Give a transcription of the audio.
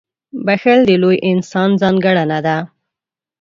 • بښل د لوی انسان ځانګړنه ده.